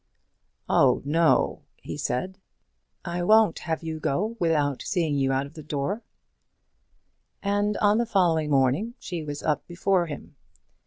"Oh no," he said. "But I shall. I won't have you go without seeing you out of the door." And on the following morning she was up before him.